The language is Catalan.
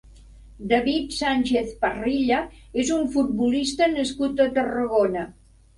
David Sánchez Parrilla és un futbolista nascut a Tarragona.